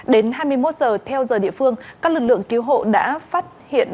đến hai mươi một giờ theo giờ địa phương các lực lượng cứu hộ đã phát hiện